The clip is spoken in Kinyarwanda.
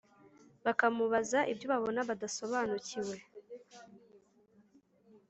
bakamubaza ibyo babona badasobanukiwe